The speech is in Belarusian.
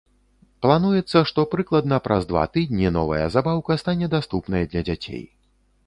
Плануецца, што прыкладна праз два тыдні новая забаўка стане даступнай для дзяцей.